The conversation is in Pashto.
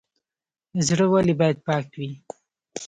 زړه ولې باید پاک وي؟